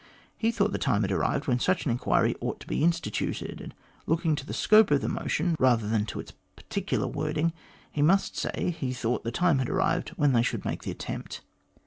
He thought the time had arrived when such an enquiry ought to be instituted, and looking to the scope of the motion, Tather than to its particular wording, he must say he thought the time had arrived when they should make the attempt.